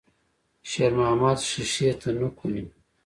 شېرمحمد ښيښې ته نوک ونيو.